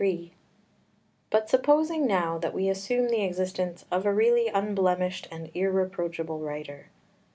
] XXXIII But supposing now that we assume the existence of a really unblemished and irreproachable writer.